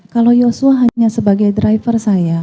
karena yosua hanya sebagai driver saya